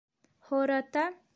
Һо-ра-та?!